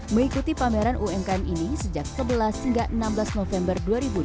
mengikuti pameran umkm ini sejak sebelas hingga enam belas november dua ribu dua puluh